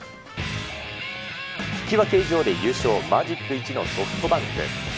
引き分け以上で優勝、マジック１のソフトバンク。